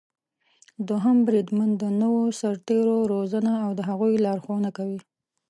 دوهم بریدمن د نويو سرتېرو روزنه او د هغوی لارښونه کوي.